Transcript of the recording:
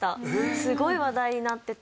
すごい話題になってて。